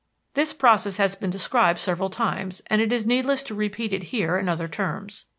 This process has been described several times, and it is needless to repeat it here in other terms.